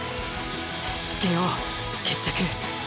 つけよう決着。